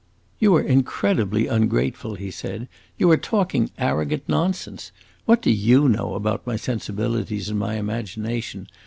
"You are incredibly ungrateful," he said. "You are talking arrogant nonsense. What do you know about my sensibilities and my imagination?